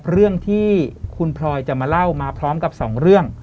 เรื่องที่คุณพลอยจะมาเล่ามาพร้อมกับสองเรื่อง